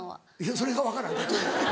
それが分からん例えが。